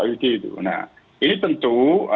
itu nah ini tentu